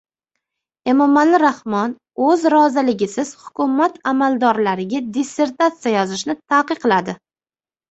Emomali Rahmon o‘z roziligisiz hukumat amaldorlariga dissertasiya yozishni taqiqladi